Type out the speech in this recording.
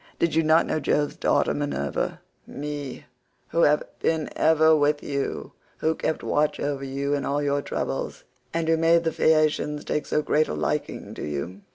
Did you not know Jove's daughter Minerva—me, who have been ever with you, who kept watch over you in all your troubles, and who made the Phaeacians take so great a liking to you?